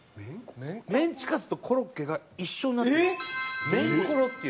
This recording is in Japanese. メンチカツとコロッケが一緒になってるメンコロっていう。